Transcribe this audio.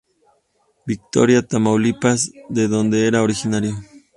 Victoria, Tamaulipas de donde era originario.